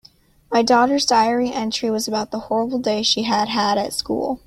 My daughter's diary entry was about the horrible day she had had at school.